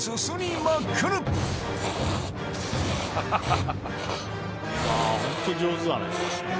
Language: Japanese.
まくるホント上手だね。